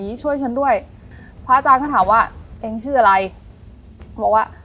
ช่วยฉันด้วยพระอาจารย์ก็ถามว่าเองชื่ออะไรก็บอกว่า